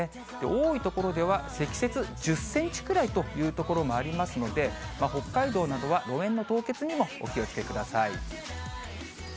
多い所では、積雪１０センチくらいという所もありますので、北海道などは路面の凍結にもお気をつけください。